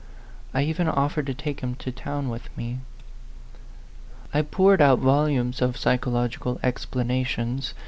I even offered to take him to town with me. I poured out volumes of psychological ex planations.